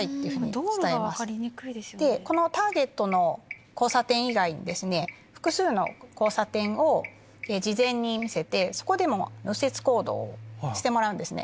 ターゲットの交差点以外複数の交差点を事前に見せてそこでも右折行動をしてもらうんですね。